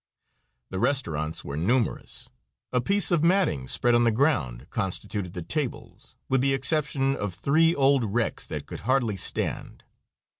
The restaurants were numerous. A piece of matting spread on the ground constituted the tables, with the exception of three old wrecks that could hardly stand.